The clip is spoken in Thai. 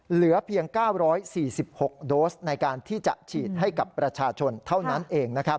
เหลือเพียง๙๔๖โดสในการที่จะฉีดให้กับประชาชนเท่านั้นเอง